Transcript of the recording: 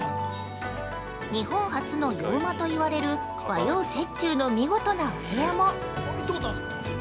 日本初の洋間と言われる和洋折衷の見事なお部屋も。